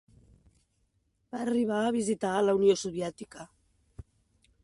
Va arribar a visitar a la Unió Soviètica.